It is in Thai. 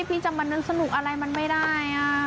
พี่จะมานั่งสนุกอะไรมันไม่ได้